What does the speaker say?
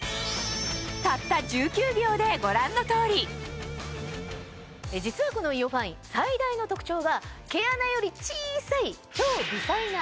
たった１９秒でご覧の通り実はこのＩＯファイン最大の特徴は毛穴より小さい。